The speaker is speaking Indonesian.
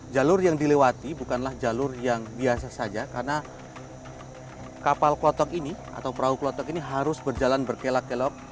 jalur yang dilewati bukanlah jalur yang biasa saja karena kapal klotok ini atau perahu klotok ini harus berjalan berkelok kelok